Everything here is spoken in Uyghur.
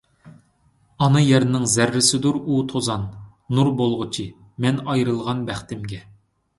ئانا يەرنىڭ زەررىسىدۇر ئۇ توزان، نۇر بولغۇچى، مەن ئايرىلغان بەختىمگە!